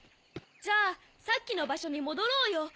じゃあさっきのばしょにもどろうよ！